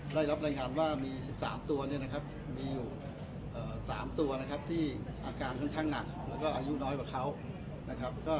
ได้รับรายงานว่ามี๑๓ตัวมีอยู่๓ตัวที่อาการค่อนข้างหนักและอายุน้อยกว่าเขา